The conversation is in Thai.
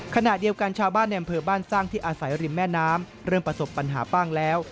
ขณะเดียวกันชาวบ้านในอำเภอบ้านสร้างที่อาศัยริมแม่น้ำเริ่มประสบปัญหาบ้างแล้ว